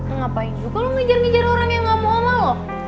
ngapain juga lo ngejar ngejar orang yang gak mau sama lo